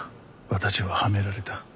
「私は嵌められた」